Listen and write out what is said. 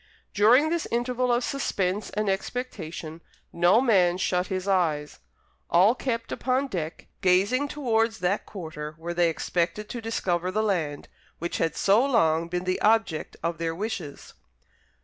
During this interval of suspense and expectation, no man shut his eyes, all kept upon deck, gazing towards that quarter where they expected to discover the land, which had so long been the object of their wishes.